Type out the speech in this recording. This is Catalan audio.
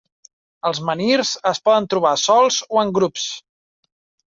Els menhirs es poden trobar sols o en grups.